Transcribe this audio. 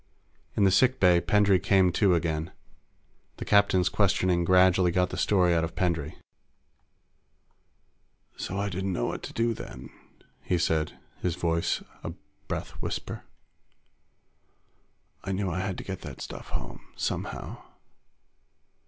In the sick bay, Pendray came to again. The captain's questioning gradually got the story out of Pendray. "... So I didn't know what to do then," he said, his voice a breathy whisper. "I knew I had to get that stuff home. Somehow."